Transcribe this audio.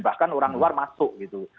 bahkan orang luar masuk gitu